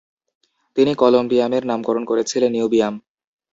তিনি কলম্বিয়ামের নামকরণ করেছিলেন "নিওবিয়াম"।